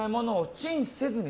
チンせずに。